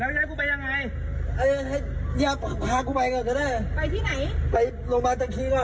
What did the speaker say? ไปลงบานตังคลีก่อน